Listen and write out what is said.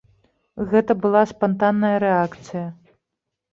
Гэта была спантанная рэакцыя.